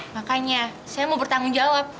makanya saya mau bertanggung jawab